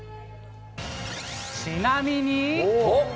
ちなみに。